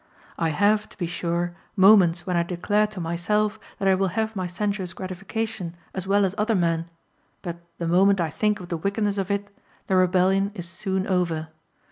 I have, to be sure, moments when I declare to myself that I will have my sensuous gratification as well as other men, but, the moment I think of the wickedness of it, the rebellion is soon over.